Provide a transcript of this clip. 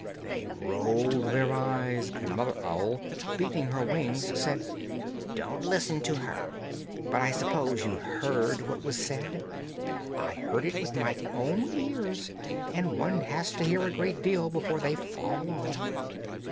They rolled their eyes, and mother owl, beating her wings, said: "Don't listen to her! But I suppose you heard what was said? I heard it with my own ears, and one has to hear a great deal before they fall off.